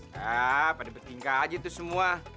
ya pada petingkah aja itu semua